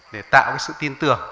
để tạo cái sự tin tưởng